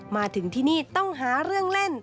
มาถึงที่นี่ต้องหาเรื่องเล่น